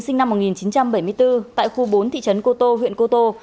sinh năm một nghìn chín trăm bảy mươi bốn tại khu bốn thị trấn cô tô huyện cô tô